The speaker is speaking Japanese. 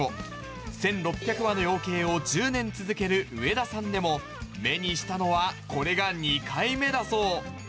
１６００羽の養鶏を１０年続ける上田さんでも、目にしたのはこれが２回目だそう。